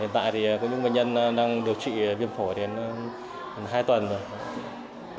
hiện tại thì có những bệnh nhân đang điều trị viêm phổi đến hai tuần rồi